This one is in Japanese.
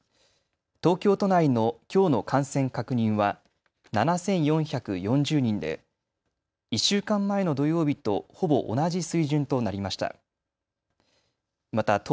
東京都内のきょうの感染確認は７４４０人で１週間前の土曜日とほぼ同じ水準となりました。